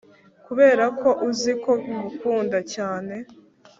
Kuberako uzi ko ngukunda cyane